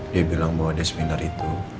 dia bilang bahwa dia seminar itu